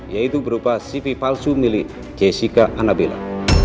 yaitu berupa cv palsu milik jessica annabela